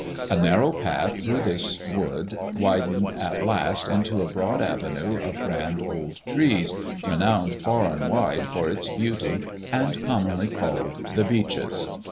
A narrow path through this wood widened at last into a broad avenue of grand old trees, renowned far and wide for its beauty, and commonly called the Beeches.